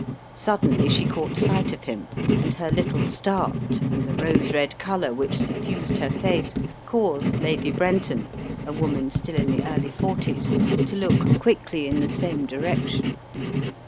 Suddenly she caught sight of him, and her little start and the rose red colour which suffused her face caused Lady Brenton, a woman still in the early forties, to look quickly in the same direction.